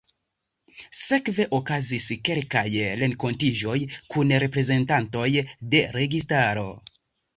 Sekve okazis kelkaj renkontiĝoj kun reprezentantoj de registaro.